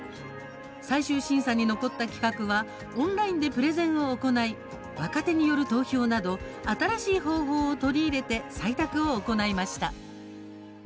最終審査に残った企画はオンラインでプレゼンを行い若手による投票など新しい方法を取り入れて採択を行いました。